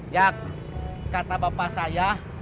jak kata bapak saya